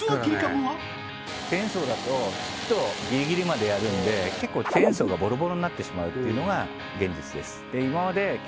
チェーンソーだと土とギリギリまでやるんで結構チェーンソーがボロボロになってしまうというのが現実です